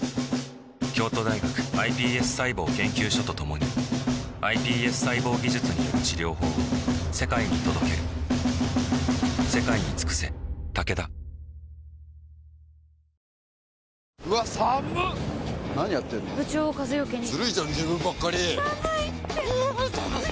京都大学ｉＰＳ細胞研究所と共にｉＰＳ細胞技術による治療法を世界に届けるそれでは計測！